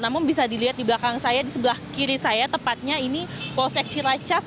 namun bisa dilihat di belakang saya di sebelah kiri saya tepatnya ini polsek ciracas